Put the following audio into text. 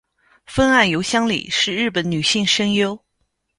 峰岸由香里是日本女性声优。